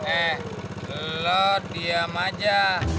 eh lo diam aja